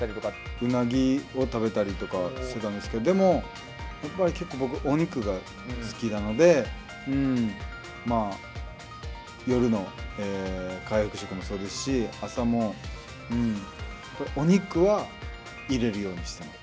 ウナギを食べたりとかしてたんですけど、でも、結構やっぱり僕、お肉が好きなので、夜の回復食もそうですし、朝もお肉は入れるようにしています。